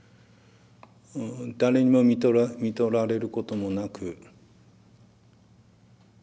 誰にもみとられることもなく。